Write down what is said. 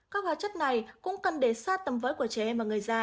các hóa chất này cũng cần để xa tầm với của trẻ em và người già